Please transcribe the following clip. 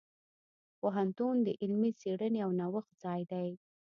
پوهنتون د علمي څیړنې او نوښت ځای دی.